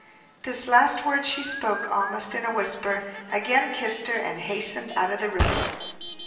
This last word she spoke almost in a whisper, again kissed her, and hastened out of the room.